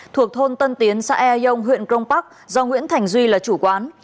thuộc thôn tân tiến xã e dông huyện crong park do nguyễn thành duy là chủ quán